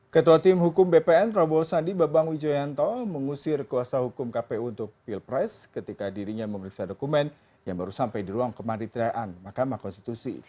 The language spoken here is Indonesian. ketua tim hukum bpn prabowo sandi babang wijayanto mengusir kuasa hukum kpu untuk pilpres ketika dirinya memeriksa dokumen yang baru sampai di ruang kemaritiraan mahkamah konstitusi